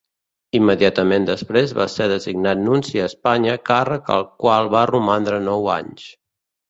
Immediatament després va ser designat nunci a Espanya, càrrec al qual va romandre nou anys.